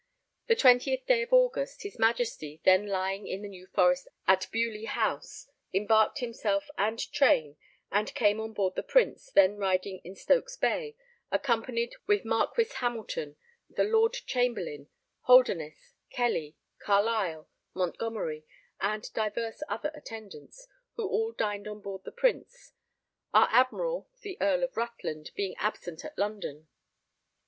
The 20th day of August, his Majesty, then lying in the New Forest at Beaulieu House, embarked himself and train and came on board the Prince, then riding in Stokes Bay, accompanied with Marquis Hamilton, the Lord Chamberlain, Holderness, Kellie, Carlisle, Montgomery, and divers other attendants, who all dined on board the Prince; our Admiral, the Earl of Rutland, being absent at London.